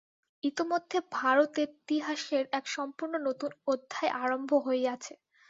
ইতোমধ্যে ভারতেতিহাসের এক সম্পূর্ণ নূতন অধ্যায় আরম্ভ হইয়াছে।